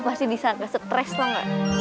lu pasti disana ke stres dong